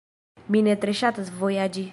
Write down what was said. Mi ne tre ŝatas vojaĝi.